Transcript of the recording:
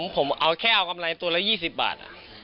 ผมเอาแค่เอากำไรตัวละ๒๐บาท